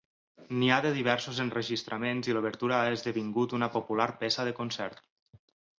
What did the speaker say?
N'hi ha diversos enregistraments i l'obertura ha esdevingut una popular peça de concert.